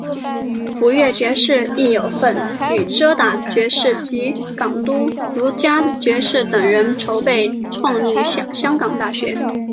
普乐爵士亦有份与遮打爵士及港督卢嘉爵士等人筹备创立香港大学。